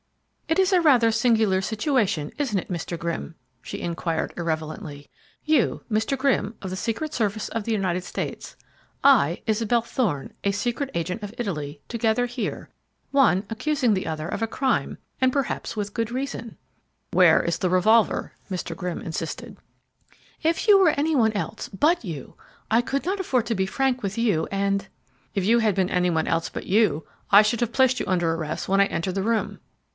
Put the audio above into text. "It's rather a singular situation, isn't it, Mr. Grimm?" she inquired irrelevantly. "You, Mr. Grimm of the Secret Service of the United States; I, Isabel Thorne, a secret agent of Italy together here, one accusing the other of a crime, and perhaps with good reason." "Where is the revolver?" Mr. Grimm insisted. "If you were any one else but you! I could not afford to be frank with you and " "If you had been any one else but you I should have placed you under arrest when I entered the room."